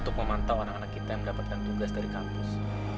untuk memantau anak anak kita yang mendapatkan tugas dari kampus